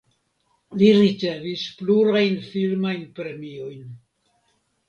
Li ricevis plurajn filmajn premiojn.